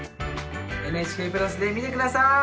ＮＨＫプラスで見て下さい！